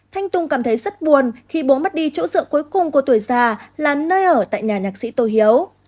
thanh tùng cảm thấy rất buồn khi bố mất đi chỗ dựa cuối cùng của tuổi già là nơi ở tại nhà nhạc sĩ tô hiếu